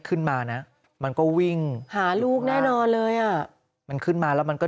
ขึ้นมานะมันก็วิ่งหาลูกแน่นอนเลยอ่ะมันขึ้นมาแล้วมันก็